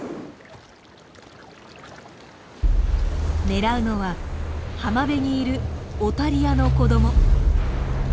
狙うのは浜辺にいるオタリアの子供。